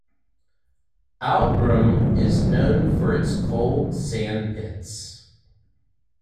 Outram is known for its cold sandpits.